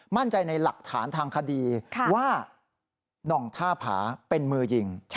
มั่นใจในหลักฐานทางคดีว่าหน่องท่าผาเป็นมือยิง